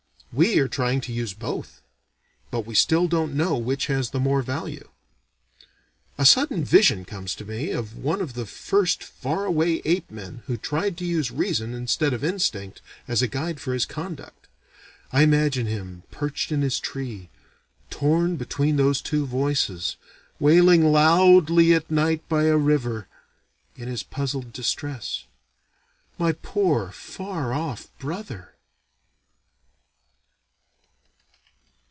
We are trying to use both. But we still don't know which has the more value. A sudden vision comes to me of one of the first far away ape men who tried to use reason instead of instinct as a guide for his conduct. I imagine him, perched in his tree, torn between those two voices, wailing loudly at night by a river, in his puzzled distress. My poor far off brother!